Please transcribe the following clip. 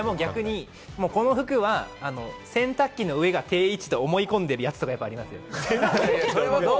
逆に、この服は洗濯機の上が定位置と思い込んでるやつもあります。